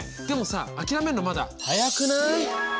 でもさ諦めんのまだ早くない。